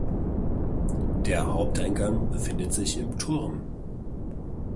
Der Haupteingang befindet sich im Turm.